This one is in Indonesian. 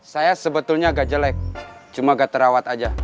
saya sebetulnya agak jelek cuma gak terawat aja